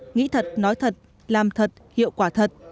nghĩ thật nói thật làm thật hiệu quả thật